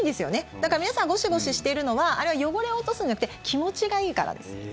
だから皆さんゴシゴシしているのはあれは汚れを落とすんじゃなくて気持ちがいいからです。